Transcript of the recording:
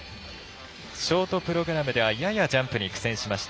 ショートプログラムではややジャンプに苦戦しました。